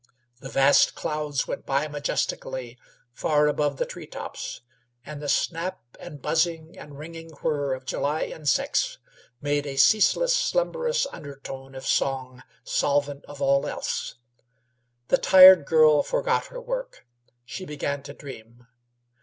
The vast clouds went by majestically, far above the tree tops, and the snap and buzzing and ringing whir of July insects made a ceaseless, slumberous undertone of song solvent of all else. The tired girl forgot her work. She began to dream.